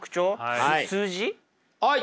はい！